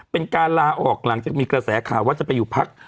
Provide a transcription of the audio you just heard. เป็นการลาออกหลังจากมีกระแสข่าวว่าจะไปอยู่พัก